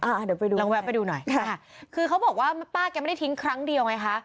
เดี๋ยวไปดูลองแวะไปดูหน่อยค่ะคือเขาบอกว่าป้าแกไม่ได้ทิ้งครั้งเดียวไงคะ